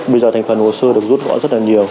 bây giờ thành phần hồ sơ được rút gọn rất là nhiều